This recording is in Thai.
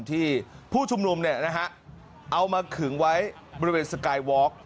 ที่ผู้ชุมนุมเนี่ยนะฮะเอามาขึงไว้บริเวณสกายวอล์ก